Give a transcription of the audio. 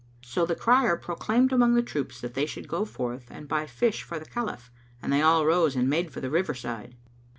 So the crier proclaimed among the troops that they should go forth and buy fish for the Caliph, and they all arose and made for the river side.